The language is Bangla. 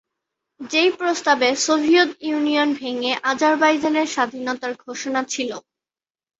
যেই প্রস্তাবে সোভিয়েত ইউনিয়ন ভেঙ্গে আজারবাইজানের স্বাধীনতার ঘোষণা ছিল।